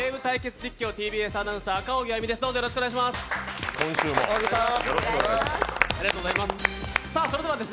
実況、ＴＢＳアナウンサー赤荻歩です。